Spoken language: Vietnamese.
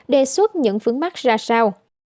đề xuất những phướng mắt ra sao